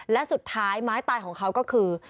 และสุดท้ายไม้ตายของเขาก็คือ